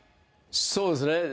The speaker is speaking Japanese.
そうですね。